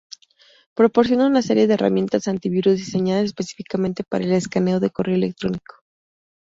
Proporciona una serie de herramientas antivirus diseñadas específicamente para el escaneo de correo electrónico.